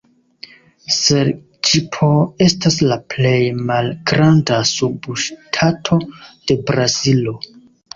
Serĝipo estas la plej malgranda subŝtato de Brazilo.